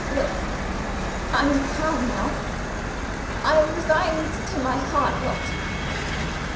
Look! I am calm now; I am resigned to my hard lot.